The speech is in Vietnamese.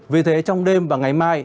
vì thế trong đêm và ngày mai